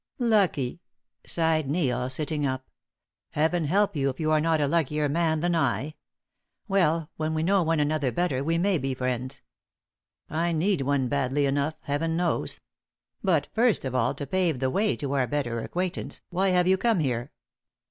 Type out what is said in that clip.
"Lucky!" sighed Neil, sitting up. "Heaven help you if you are not a luckier man than I. Well, when we know one another better we may be friends. I need one badly enough, Heaven knows. But, first of all, to pave the way to our better acquaintance, why have you come here?"